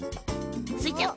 スイちゃん。